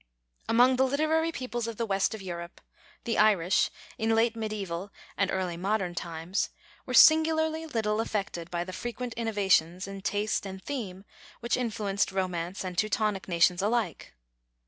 Among the literary peoples of the west of Europe, the Irish, in late medieval and early modern times, were singularly little affected by the frequent innovations in taste and theme which influenced Romance and Teutonic nations alike.